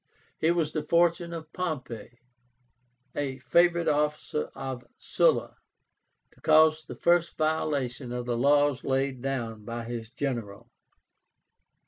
It was the fortune of Pompey, a favorite officer of Sulla, to cause the first violation of the laws laid down by his general.